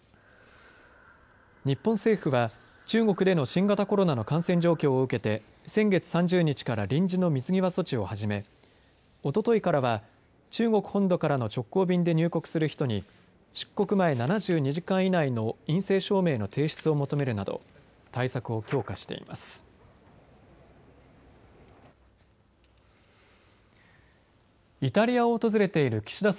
日本政府は中国での新型コロナの感染状況を受けて先月３０日から臨時の水際措置をはじめおとといからは中国本土からの直行便で入国する人に出国前７２時間以内の陰性証明の提出を求めるなど対策を強化しています。